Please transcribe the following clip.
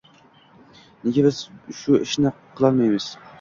Nega biz shu ishni qilolmaymiz